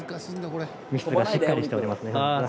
肉質がしっかりしておりますね。